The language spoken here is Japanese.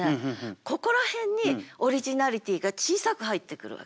ここら辺にオリジナリティが小さく入ってくるわけ。